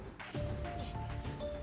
di tempat ini